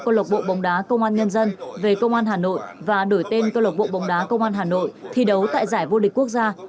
công lộc bộ bóng đá công an nhân dân về công an hà nội và đổi tên cơ lộc bộ bóng đá công an hà nội thi đấu tại giải vô địch quốc gia